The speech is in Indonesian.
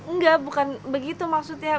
enggak bukan begitu maksudnya